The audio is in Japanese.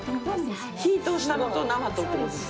火通したのと生と。